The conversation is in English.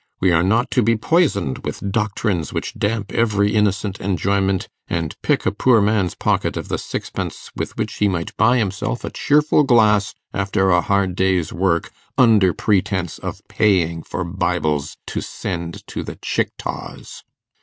We are not to be poisoned with doctrines which damp every innocent enjoyment, and pick a poor man's pocket of the sixpence with which he might buy himself a cheerful glass after a hard day's work, under pretence of paying for bibles to send to the Chicktaws!